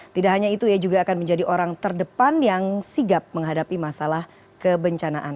tidak hanya itu ia juga akan menjadi orang terdepan yang sigap menghadapi masalah kebencanaan